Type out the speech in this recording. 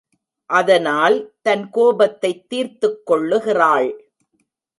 அதனால் தன் கோபத்தைத் தீர்த்துக் கொள்ளுகிறாள்.